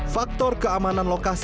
faktor keamanan lokasi